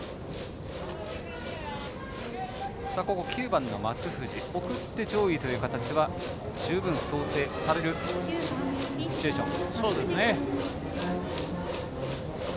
９番の松藤送って上位という形は十分想定されるシチュエーション。